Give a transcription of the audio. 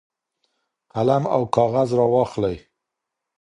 قلم او کاغذ راواخلئ.